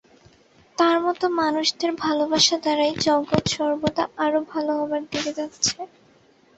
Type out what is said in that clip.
তাঁর মত মানুষদের ভালবাসা দ্বারাই জগৎ সর্বদা আরও ভাল হবার দিকে যাচ্ছে।